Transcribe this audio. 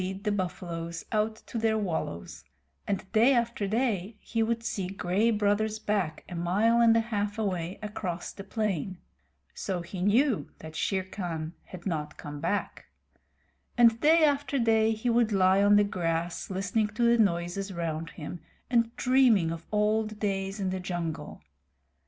Day after day Mowgli would lead the buffaloes out to their wallows, and day after day he would see Gray Brother's back a mile and a half away across the plain (so he knew that Shere Khan had not come back), and day after day he would lie on the grass listening to the noises round him, and dreaming of old days in the jungle.